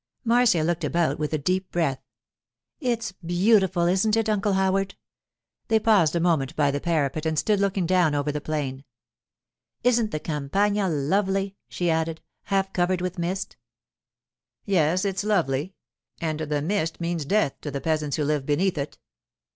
Marcia looked about with a deep breath. 'It's beautiful, isn't it, Uncle Howard?' They paused a moment by the parapet and stood looking down over the plain. 'Isn't the Campagna lovely,' she added, 'half covered with mist?' 'Yes, it's lovely—and the mist means death to the peasants who live beneath it.